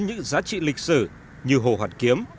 những giá trị lịch sử như hồ hoạt kiếm